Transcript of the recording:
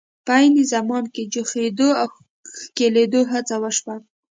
په عین زمان کې جوختېدو او ښکلېدو هڅه وشوه.